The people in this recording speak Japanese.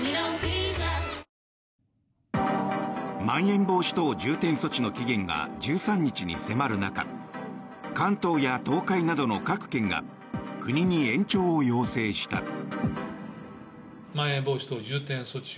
まん延防止等重点措置の期限が１３日に迫る中関東や東海などの各県が国に延長を要請した。